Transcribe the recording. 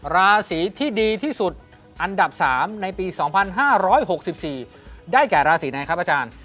ราศีที่ดีที่สุดอันดับ๓ในปี๒๕๖๔ได้แก่ราศีไหนครับอาจารย์